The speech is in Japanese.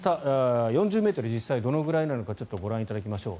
４０ｍ、実際どのくらいなのかご覧いただきましょう。